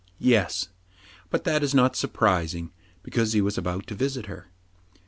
Yes ; but that is not surprising, because he was about to visit her.